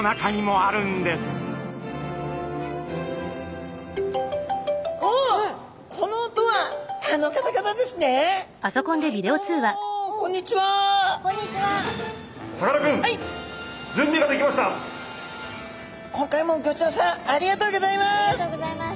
ありがとうございます。